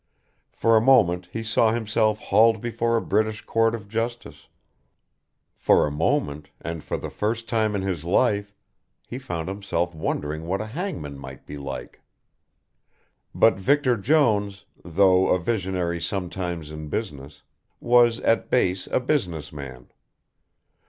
For a moment he saw himself hauled before a British Court of Justice; for a moment, and for the first time in his life, he found himself wondering what a hangman might be like. But Victor Jones, though a visionary sometimes in business, was at base a business man.